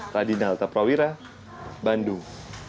radinal taprawira bandung